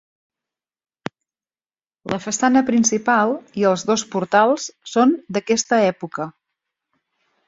La façana principal i els dos portals són d'aquesta època.